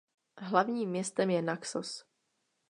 Hlavním městem je Naxos.